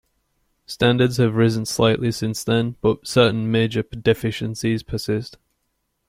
Standards have risen slightly since then, but certain major deficiencies persist.